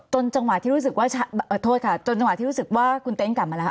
จนจังหวะที่รู้สึกว่าคุณเต้นกลับมาแล้ว